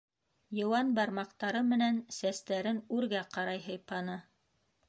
Йыуан бармаҡтары менән сәстәрен үргә ҡарай һыйпаны.